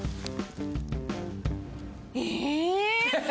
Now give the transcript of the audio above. え！